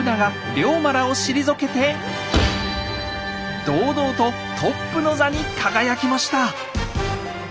龍馬らを退けて堂々とトップの座に輝きました。